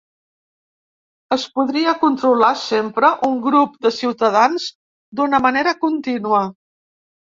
Es podria controlar sempre un grup de ciutadans d’una manera contínua.